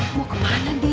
mau kemana de